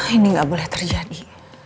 ini gak boleh terjadi